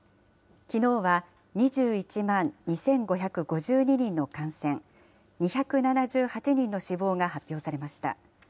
きのうは２１万２５５２人の感染、２７８人の死亡が発表されました。